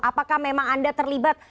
apakah memang anda terlibat